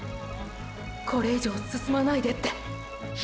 これ以上進まないでって。